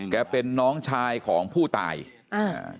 เป็นน้องชายของผู้ตายอ่า